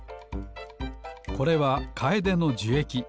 これはカエデのじゅえき。